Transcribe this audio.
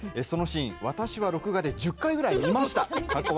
そのシーン、私は録画で１０回くらい見ました。